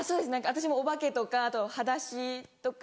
私もお化けとかあとはだしとか。